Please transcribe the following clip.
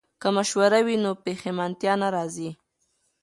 که مشوره وي نو پښیماني نه راځي.